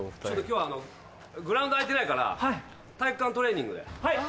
今日はグラウンド空いてないから体育館トレーニングで。